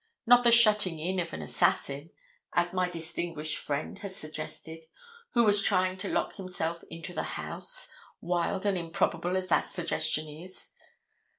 Not the shutting in of an assassin, as my distinguished friend has suggested, who was trying to lock himself into the house, wild and improbable as that suggestion is.